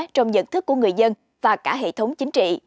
trong nhận thức của người dân và cả hệ thống chính trị